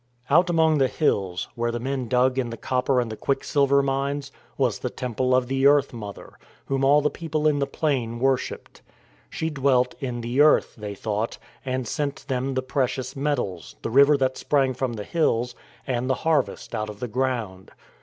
Out among the hills, where the men dug in the copper and the quicksilver mines, was the temple of the Earth Mother, whom all the people in the plain worshipped. She dwelt in the earth (they thought) and sent them the precious metals, the river that sprang from the hills, and the harvest out of the ground.